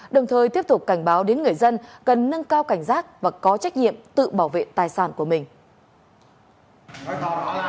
đồng thời tiếp tục cảnh báo đến người dân cần nâng cao cảnh giác và có trách nhiệm tự bảo vệ tài sản của mình